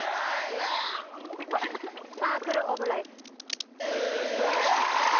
「サークル・オブ・ライフ」正解！